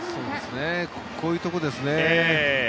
こういうところですね。